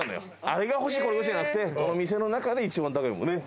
あれが欲しいこれが欲しいじゃなくてこの店の中で一番高いものね。